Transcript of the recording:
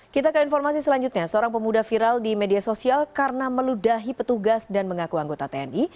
kita ke informasi selanjutnya seorang pemuda viral di media sosial karena meludahi petugas dan mengaku anggota tni